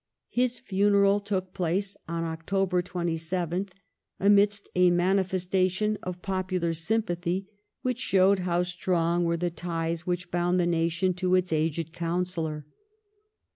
His funeral took place on October 27th, amidst a manifestation of popular sympathy, which showed how strong were the ties which bound the nation to its aged counsellor.